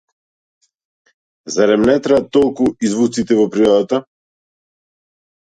Зарем не траат толку и звуците во природата?